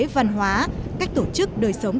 văn hóa cách tổ chức đời sống